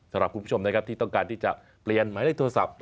สำหรับคุณผู้ชมนะครับที่ต้องการที่จะเปลี่ยนหมายเลขโทรศัพท์